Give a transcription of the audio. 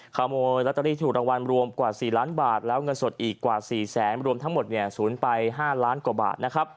ขโมยลอตเตอรี่ที่ถูกรางวัลรวมกว่า๔ล้านบาทแล้วเงินสดอีกกว่า๔แสนรวมทั้งหมดสูญไป๕ล้านกว่าบาท